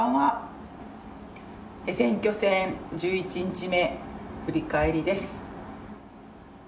選挙戦１１日目振り返りです。